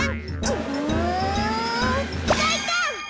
うんかいか！